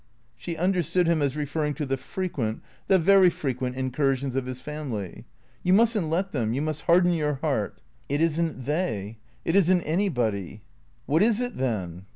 She understood him as referring to the frequent, the very frequent incursions of his family. " You must n't let them. You must harden your heart." " It is n't they. It is n't anybody." "What is it then?"